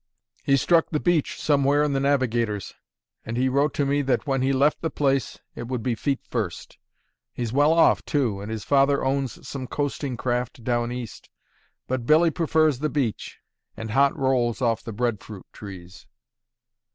He struck the beach somewhere in the Navigators; and he wrote to me that when he left the place, it would be feet first. He's well off, too, and his father owns some coasting craft Down East; but Billy prefers the beach, and hot rolls off the bread fruit trees."